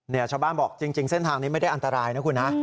ชาวบ้านบอกจริงเส้นทางนี้ไม่ได้อันตรายนะคุณฮะ